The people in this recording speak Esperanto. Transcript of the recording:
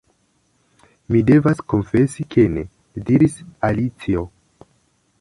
"Mi devas konfesi ke ne," diris Alicio.